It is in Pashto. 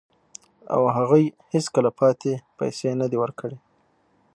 او هغوی هیڅکله پاتې پیسې نه دي ورکړي